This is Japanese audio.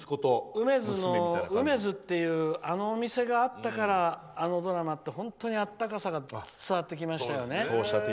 うめづというお店があったからあのドラマって本当に温かさが伝わってきましたよね。